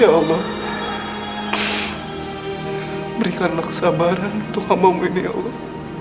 ya allah berikanlah kesabaran untuk hambamu ini ya allah